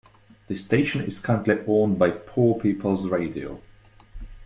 The station is currently owned by Poor People's Radio.